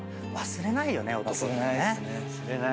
忘れないっすね。